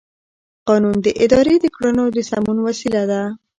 قانون د ادارې د کړنو د سمون وسیله ده.